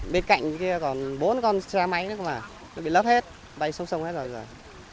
bên cạnh kia còn bốn con xe máy nữa mà nó bị lất hết bay sông sông hết rồi